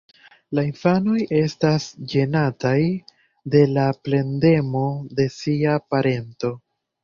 La infanoj estas ĝenataj de la plendemo de sia parento.